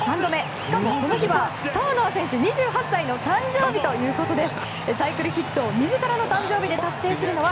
しかもこの日はターナー選手２８歳の誕生日ということです。